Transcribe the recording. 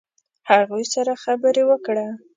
هغوی سره خبرې وکړه.